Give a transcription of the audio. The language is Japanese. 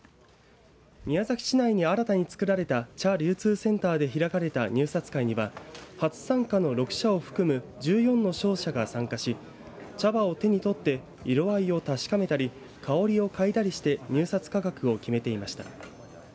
宮崎市内に新たに作られた茶流通センターで開かれた入札会には初参加の６社を含む１４の商社が参加し茶葉を手にとって色合いを確かめたり香りをかいだりして入札価格を決めていました。